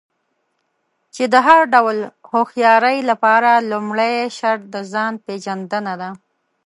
چې د هر ډول هوښيارۍ لپاره لومړی شرط د ځان پېژندنه ده.